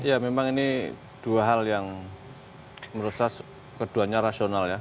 ya memang ini dua hal yang menurut saya keduanya rasional ya